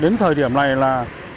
đến thời điểm này là